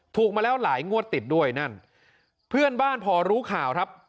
ถูกมาแล้วหลายงวดติดด้วยนั่นเพื่อนบ้านพอรู้ข่าวครับ